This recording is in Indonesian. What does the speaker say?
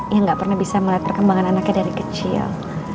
yang gak pernah bisa melihat perkembangan anaknya dari kecil